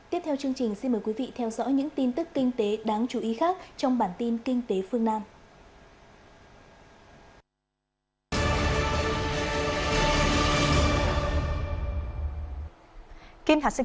tiếp theo chương trình xin mời quý vị theo dõi những tin tức kinh tế đáng chú ý khác trong bản tin kinh tế phương nam